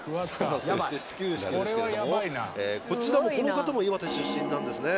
「そして始球式ですけどもこの方も岩手出身なんですね」